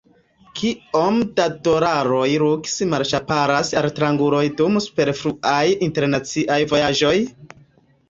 Kiom da dolaroj lukse malŝparas altranguloj dum superfluaj internaciaj vojaĝoj?